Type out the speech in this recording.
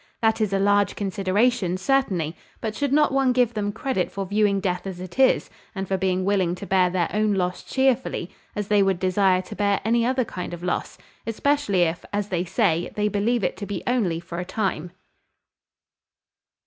That is a large consideration certainly; but should not one give them credit for viewing death as it is, and for being willing to bear their own loss cheerfully, as they would desire to bear any other kind of loss? especially if, as they say, they believe it to be only for a time."